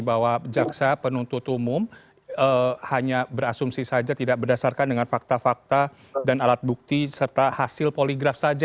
bahwa jaksa penuntut umum hanya berasumsi saja tidak berdasarkan dengan fakta fakta dan alat bukti serta hasil poligraf saja